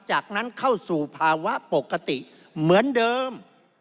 จากนั้นเข้าสู่ภาวะปกติเหมือนเดิม